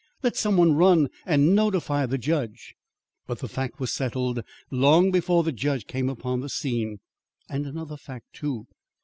Let some one run and notify the judge.' "But the fact was settled long before the judge came upon the scene, and another fact too.